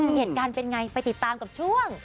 เหตุการณ์เป็นไงไปติดตามกับช่วง